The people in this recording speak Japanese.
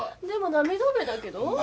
でも涙目だけど？